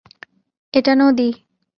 এটা নদী।